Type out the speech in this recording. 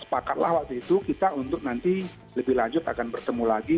sepakatlah waktu itu kita untuk nanti lebih lanjut akan bertemu lagi